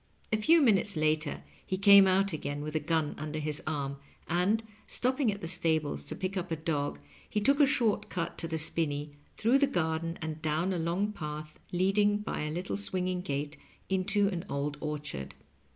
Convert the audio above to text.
A few minutes later he came out again with a gun under his arm, and, stopping at the stables to pick up a dog, he took a short cut to the spinney, through the garden and down a long path reading by a little swinging gate into an old orchard.